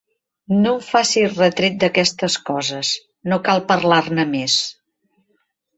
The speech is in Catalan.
No em facis retret d'aquestes coses: no cal parlar-ne més.